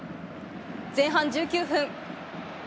前半１９分。